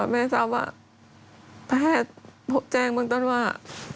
แม่ทราบว่าแพทย์แจ้งเบื้องต้นว่า